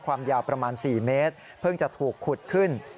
ความยาวประมาณ๔เมตรเพิ่งจะถูกขุดขึ้น